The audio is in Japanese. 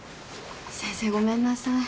先生ごめんなさい。